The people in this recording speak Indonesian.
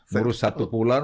ngurus satu pulau